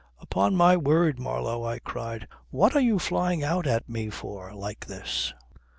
. "Upon my word, Marlow," I cried, "what are you flying out at me for like this?